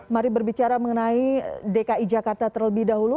mari berbicara mengenai dki jakarta terlebih dahulu